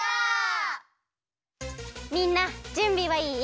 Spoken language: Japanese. みんなじゅんびはいい？